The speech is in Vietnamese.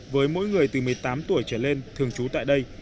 với mỗi người từ một mươi tám tuổi trở lên thường trú tại đây